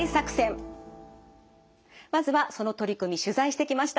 まずはその取り組み取材してきました。